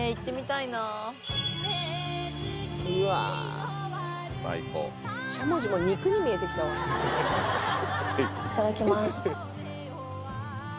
いただきます